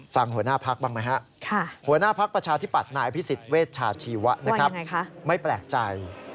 หัวหน้าพักบ้างไหมฮะหัวหน้าพักประชาธิปัตย์นายพิสิทธิเวชชาชีวะนะครับไม่แปลกใจ